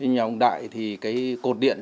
nhà ông đại thì cái cột điện